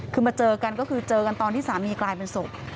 คือมาเจอกันก็คือเจอกันตอนที่สามีกลายเป็นศพ